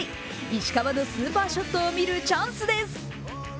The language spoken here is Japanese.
石川のスーパーショットを見るチャンスです。